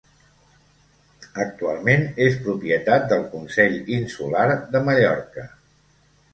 Actualment és propietat del Consell Insular de Mallorca.